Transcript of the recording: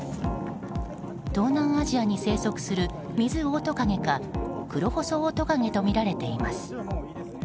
東南アジアに生息するミズオオトカゲかクロホソオオトカゲとみられています。